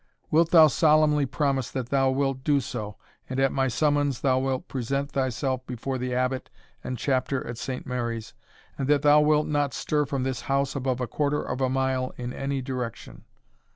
Wilt thou solemnly promise that thou wilt do so, and at my summons thou wilt present thyself before the Abbot and Chapter at Saint Mary's, and that thou wilt not stir from this house above a quarter of a mile in any direction?